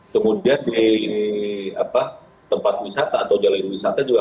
kemudian di tempat wisata atau jalan wisata juga